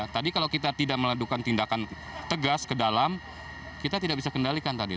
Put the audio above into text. tadi kalau kita tidak melakukan tindakan tegas ke dalam kita tidak bisa kendalikan tadi